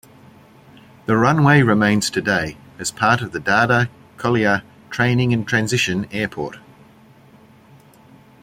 The runway remains today as a part of the Dade-Collier Training and Transition Airport.